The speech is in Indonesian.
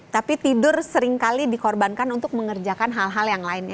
tapi tidur seringkali dikorbankan untuk mengerjakan hal hal yang lainnya